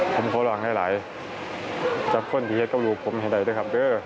ผมขอร้องให้หลายจับคนที่ให้กับลูกผมให้ได้ด้วยครับเด้อ